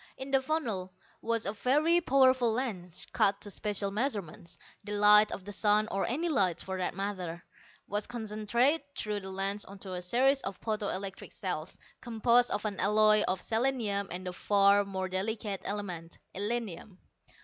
In the funnel was a very powerful lens, cut to special measurements. The light of the sun, or any light, for that matter, was concentrated through the lens onto a series of photo electric cells, composed of an alloy of selenium and the far more delicate element, illinium.